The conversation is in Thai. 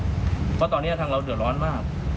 เพราะตอนนี้ทางเราเดือดร้อนมาก